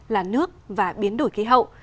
là nước và biến đổi khí hậu